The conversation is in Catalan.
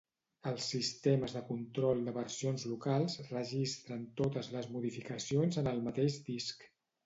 Els sistemes de control de versions locals registren totes les modificacions en el mateix disc.